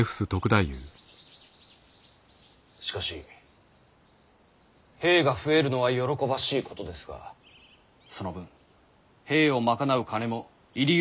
しかし兵が増えるのは喜ばしいことですがその分兵を賄う金も入り用になると存じます。